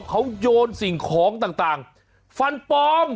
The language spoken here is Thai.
เขาโยนสิ่งของต่างฟันปลอม